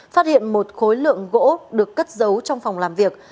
phát hiện một khối lượng gỗ được cất giấu trong phòng làm việc